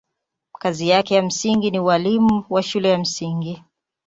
Kazi yake ya msingi ni ualimu wa shule ya msingi.